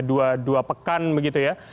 dua pekan begitu ya